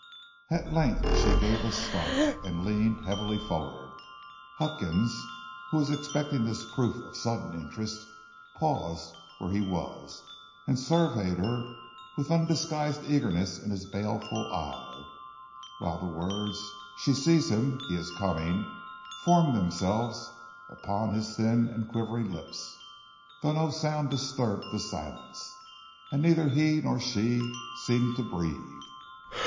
At length she gave a start, and leaned heavily forward. Huckins, who was expecting this proof of sudden interest, paused where he was, and surveyed her with undisguised eagerness in his baleful eyes, while the words "She sees him; he is coming" formed themselves upon his thin and quivering lips, though no sound disturbed the silence, and neither he nor she seemed to breathe.